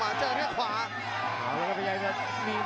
ประโยชน์ทอตอร์จานแสนชัยกับยานิลลาลีนี่ครับ